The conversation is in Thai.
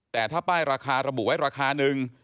แต่ถ้าป้ายราคาระบุไว้ราคานึง